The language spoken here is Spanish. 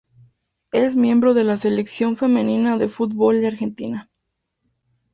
Es miembro de la selección femenina de fútbol de Argentina.